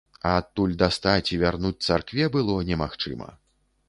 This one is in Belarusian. А адтуль дастаць і вярнуць царкве было немагчыма.